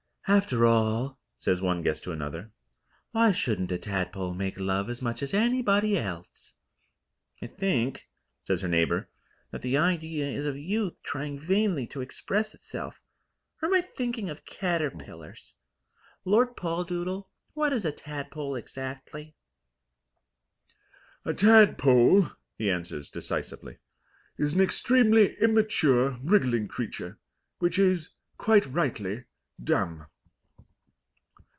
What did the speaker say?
"After all," says one guest to another, "why shouldn't a tadpole make love as much as anybody else?" "I think," says her neighbour, "that the idea is of youth trying vainly to express itself or am I thinking of caterpillars? Lord Poldoodle, what is a tadpole exactly?" "A tadpole," he answers decisively, "is an extremely immature wriggling creature, which is, quite rightly, dumb."